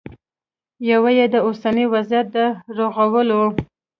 یوه یې د اوسني وضعیت د رغولو